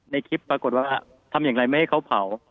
ในคลิปปรากฏว่าทำอย่างไรไม่ให้เขาเผา